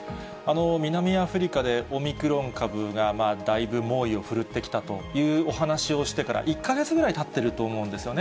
南アフリカでオミクロン株がだいぶ猛威を振るってきたというお話をしてから１か月ぐらいたってると思うんですよね。